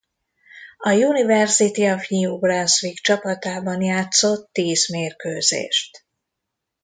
A University of New Brunswick csapatában játszott tíz mérkőzést.